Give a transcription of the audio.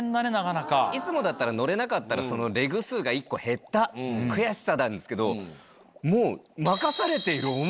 いつもだったら乗れなかったらそのレグ数が１個減った悔しさなんですけどもう。